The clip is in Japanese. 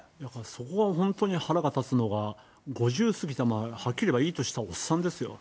そこが本当に腹が立つのが、５０過ぎたはっきり言えばいい年したおっさんですよ。